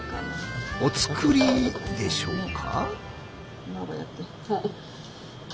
お造りでしょうか？